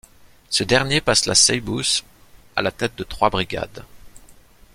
Ce dernier passe la Seybousse à la tête de trois brigades.